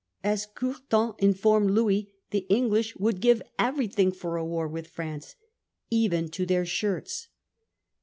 As Courtin informed Louis, the English would give everything for a war with France, ' even to their shirts.